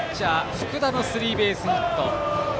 福田のスリーベースヒット。